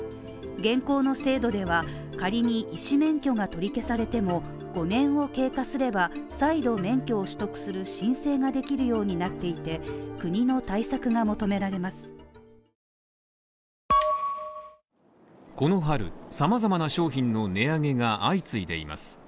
現行の制度では仮に医師免許が取り消されても５年を経過すれば、再度、免許を取得する申請ができるようになっていて国の対策が求められます。